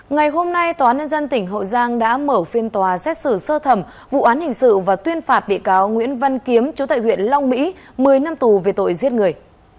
ngày hôm nay tòa án nhân dân tỉnh hậu giang đã mở phiên tòa xét xử sơ thẩm vụ án hình sự và tuyên phạt bị cáo nguyễn văn kiếm chú tại huyện long mỹ một mươi năm tù về tội giết người